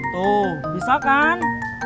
tuh bisa kan